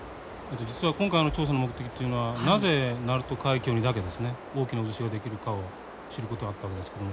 実は今回の調査の目的というのはなぜ鳴門海峡にだけですね大きな渦潮が出来るかを知ることだったわけですけども。